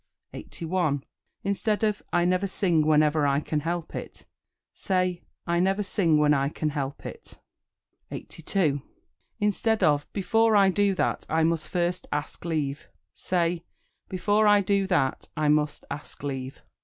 81. Instead of "I never sing whenever I can help it," say "I never sing when I can help it." 82. Instead of "Before I do that I must first ask leave," say "Before I do that I must ask leave."